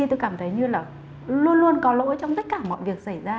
tôi cảm thấy như là luôn luôn có lỗi trong tất cả mọi việc xảy ra